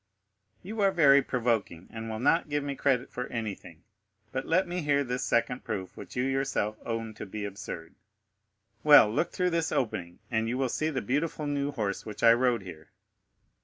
"You are very provoking, and will not give me credit for anything; but let me hear this second proof, which you yourself own to be absurd." "Well, look through this opening, and you will see the beautiful new horse which I rode here."